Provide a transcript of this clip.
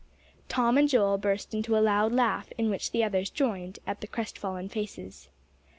Tom and Joel burst into a loud laugh, in which the others joined, at the crestfallen faces.